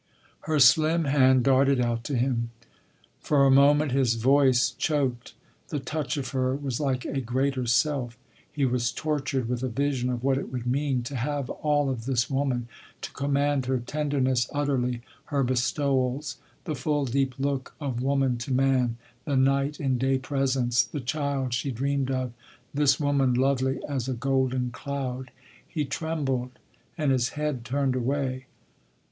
Her slim hand darted out to him. For a moment his voice choked. The touch of her was like a greater self. He was tortured with a vision of what it would mean to have all of this woman—to command her tenderness utterly, her bestowals, the full deep look of woman to man, the night and day presence, the child she dreamed of—this woman lovely as a golden cloud.... He trembled and his head turned away.